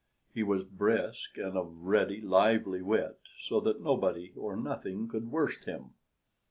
He was brisk and of ready, lively wit, so that nobody or nothing could worst him.